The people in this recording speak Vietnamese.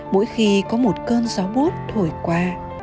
mỗi khi có một cơn gió bút thổi qua